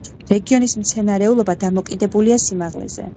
რეგიონის მცენარეულობა დამოკიდებულია სიმაღლეზე.